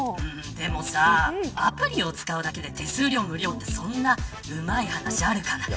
でもさアプリを使うだけで手数料が無料なんてそんなうまい話、あるかな。